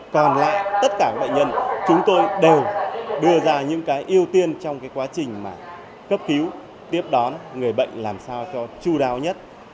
còn lại tất cả các bệnh nhân chúng tôi đều đưa ra những cái ưu tiên trong cái quá trình mà cấp cứu tiếp đón người bệnh làm sao cho chú đáo nhất